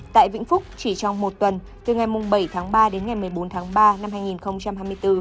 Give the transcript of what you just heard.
tại vĩnh phúc chỉ trong một tuần từ ngày bảy tháng ba đến ngày một mươi bốn tháng ba năm hai nghìn hai mươi bốn